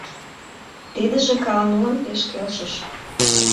Тидыже Каанулан пеш келшыш.